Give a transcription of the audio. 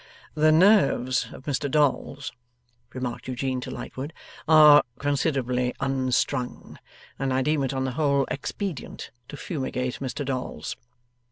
'The nerves of Mr Dolls,' remarked Eugene to Lightwood, 'are considerably unstrung. And I deem it on the whole expedient to fumigate Mr Dolls.